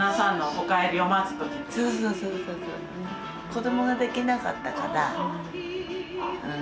子どもができなかったから。